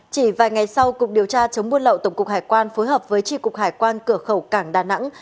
chỉ vài ngày sau cục điều tra chống buôn lậu tổng cục hải quan phối hợp với tri cục hải quan cửa khẩu cảng đà nẵng